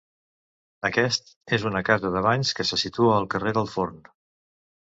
Aquest és una casa de banys que se situa al carrer del Forn.